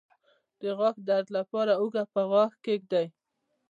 د غاښ درد لپاره هوږه په غاښ کیږدئ